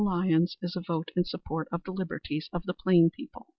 Lyons is a vote in support of the liberties of the plain people."